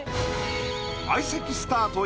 相席スタート